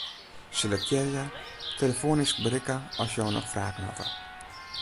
Selektearje 'telefoanysk berikke as jo noch fragen hawwe'.